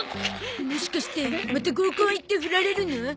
もしかしてまた合コン行ってふられるの？